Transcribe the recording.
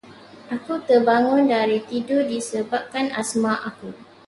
Aku terbangun dari tidur disebabkan asma aku.